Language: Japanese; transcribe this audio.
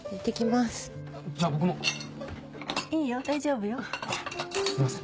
すいません